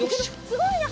すごいね！